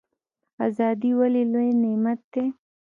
ازادي ولې لوی نعمت دی؟